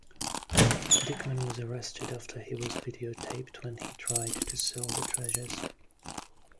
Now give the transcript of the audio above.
Dikmen was arrested after he was videotaped when he tried to sell the treasures.